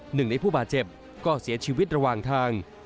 หนึ่งในผู้บาดเจ็บก็เสียชีวิตระหว่างทาง